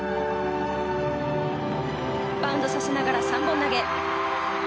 バウンドさせながら３本投げ。